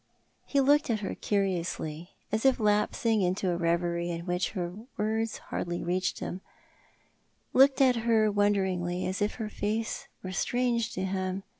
He looked at her curiously, as if lapsing into a reverie in which her words hardly reached him — looked at her wouder ingly, as if her face were strange to him.